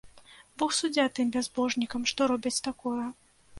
Бог суддзя тым бязбожнікам, што робяць такое.